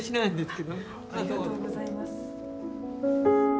ありがとうございます。